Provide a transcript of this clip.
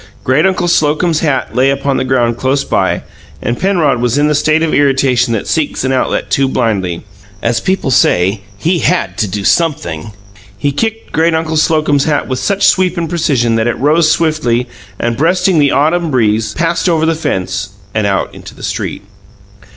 Great uncle Slocum's hat lay upon the ground close by, and Penrod was in the state of irritation that seeks an outlet too blindly as people say, he "HAD to do SOMETHING!" He kicked great uncle Slocum's hat with such sweep and precision that it rose swiftly, and, breasting the autumn breeze, passed over the fence and out into the street.